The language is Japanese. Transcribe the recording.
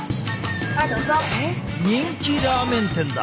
人気ラーメン店だ。